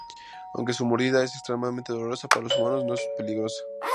Aunque su mordida es extremadamente dolorosa para los humanos, no es peligrosa.